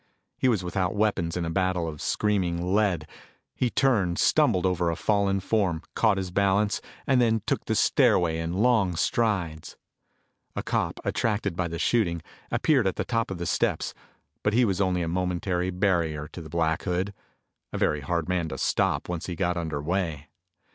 He was without weapons in a battle of screaming lead. He turned, stumbled over a fallen form, caught his balance, and then took the stairway in long strides. A cop, attracted by the shooting, appeared at the top of the steps, but he was only a momentary barrier to the Black Hood a very hard man to stop once he got under way.